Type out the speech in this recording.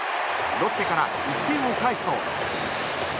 ロッテから１点を返すと。